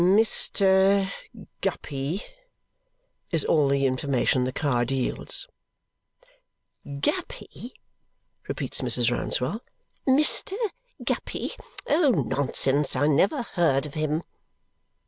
"Mr. Guppy" is all the information the card yields. "Guppy!" repeats Mrs. Rouncewell, "MR. Guppy! Nonsense, I never heard of him!"